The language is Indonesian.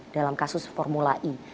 dalam kasus formula i